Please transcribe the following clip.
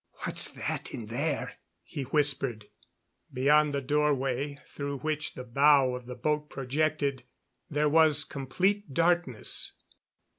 "What's that in there?" he whispered. Beyond the doorway, through which the bow of the boat projected, there was complete darkness.